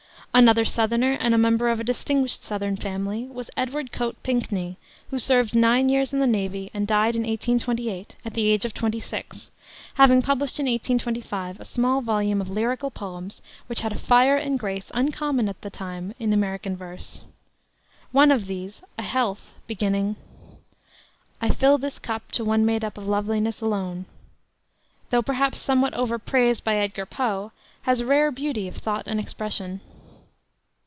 Another Southerner, and a member of a distinguished Southern family, was Edward Coate Pinkney, who served nine years in the navy, and died in 1828, at the age of twenty six, having published in 1825 a small volume of lyrical poems which had a fire and a grace uncommon at that time in American verse. One of these, A Health, beginning "I fill this cup to one made up of loveliness alone," though perhaps somewhat overpraised by Edgar Poe, has rare beauty of thought and expression.